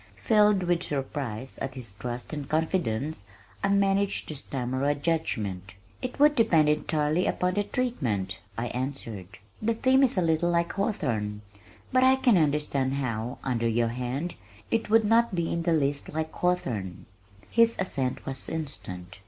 Filled with surprise at his trust and confidence, I managed to stammer a judgment. "It would depend entirely upon the treatment," I answered. "The theme is a little like Hawthorne, but I can understand how, under your hand, it would not be in the least like Hawthorne." His assent was instant.